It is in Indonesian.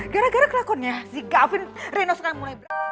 gara gara kelakonnya si gavin reynolds kamu